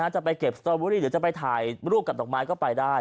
จะไปเก็บสตอเบอรี่หรือจะไปถ่ายรูปกับดอกไม้ก็ไปได้